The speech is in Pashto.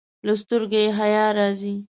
له سترګو یې حیا راځي.